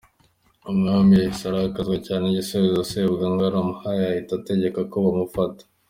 Umwami yahise arakazwa cyane n’igisubizo Sebugangali amuhaye ahita ategeka ko bamufata.